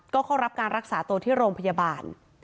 ก็เข้ารับการรักษาตัวที่โรงพยาบาล